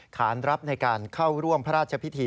ขานรับในการเข้าร่วมพระราชพิธี